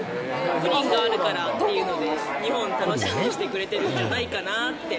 プリンがあるからっていうので、日本に来るのを楽しみにしてくれてるんじゃないかなって。